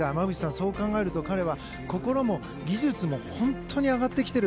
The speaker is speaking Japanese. そう考えると彼は心も技術も本当に上がってきている。